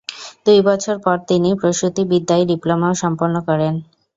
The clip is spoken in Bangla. দুই বছর পর তিনি প্রসূতিবিদ্যায় ডিপ্লোমা সম্পন্ন করেন।